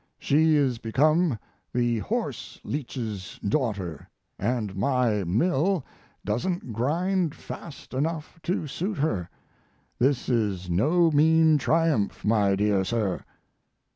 She is become the horse leech's daughter, and my mill doesn't grind fast enough to suit her. This is no mean triumph, my dear sir.